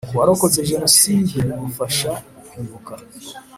Ku warokotse Genocide bimufasha kwibuka